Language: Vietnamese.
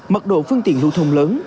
mật độ phương tiện lưu thông lớn